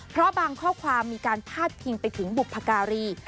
เพราะบางข้อความมีการพาดพิงไปถึงบุพการี